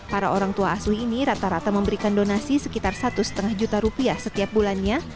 para orang tua asuh ini rata rata memberikan donasi sekitar satu lima juta rupiah setiap bulannya